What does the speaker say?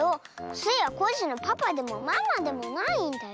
スイはコッシーのパパでもママでもないんだよ！